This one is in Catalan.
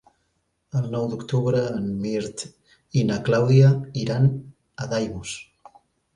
El nou d'octubre en Mirt i na Clàudia iran a Daimús.